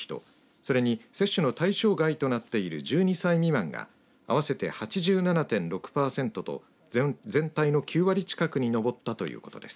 それに接種の対象外となっている１２歳未満が合わせて８７．６パーセントと全体の９割近くに上ったということです。